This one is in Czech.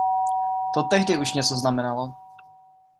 To tehdy už něco znamenalo.